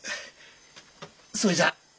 それじゃ。